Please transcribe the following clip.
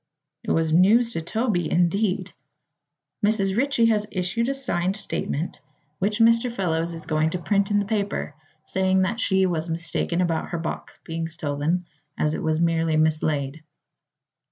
It was news to Toby, indeed! "Mrs. Ritchie has issued a signed statement, which Mr. Fellows is going to print in the paper, saying that she was mistaken about her box being stolen, as it was merely mislaid.